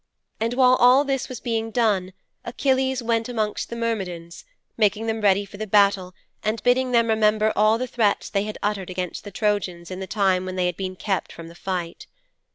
And while all this was being done Achilles went amongst the Myrmidons, making them ready for the battle and bidding them remember all the threats they had uttered against the Trojans in the time when they had been kept from the fight.'